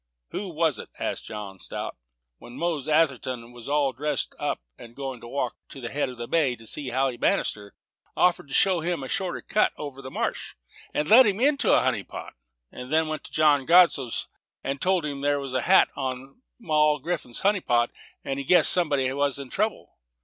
"Who was it," asked John Strout, "when Mose Atherton was all dressed up, going to walk round the head of the bay, to see Sally Bannister, offered to show him a shorter cut over the marsh, and led him into a honey pot, then went to John Godsoe's, told them there was a man's hat on Moll Graffam's honey pot, and he guessed somebody must be in trouble?